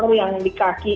luka yang di kaki